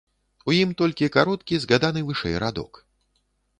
У ім толькі кароткі згаданы вышэй радок.